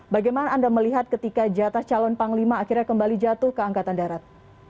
bagaimana anda melihat ketika jatah calon panglima akhirnya kembali jatuh ke angkatan darat